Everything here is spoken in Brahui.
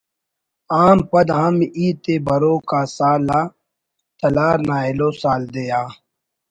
آن پد ہم ہیت ءِ بروک آ سال آ ”تلار“ نا ایلو سال دے آ